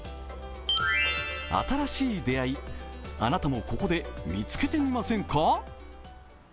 新しい出会い、あなたもここで見つけてみませんか？